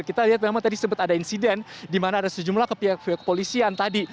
kita lihat memang tadi sempat ada insiden di mana ada sejumlah pihak kepolisian tadi